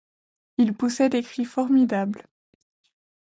Il poussait des cris formidables.